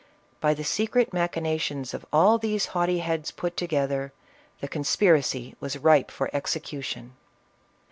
Bj the secret machinations of all these haughty heads put together, the conspiracy was ripe for execution.